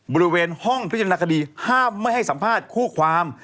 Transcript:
บริเวณห้องพิจารณาคดีห้ามไม่ให้สัมภาษณ์คู่ความ